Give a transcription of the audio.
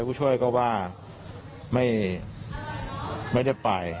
ผู้ช่วยก็ว่าไม่ได้ไป